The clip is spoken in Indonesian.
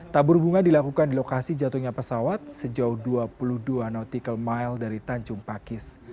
tabur bunga dilakukan di lokasi jatuhnya pesawat sejauh dua puluh dua nautical mile dari tanjung pakis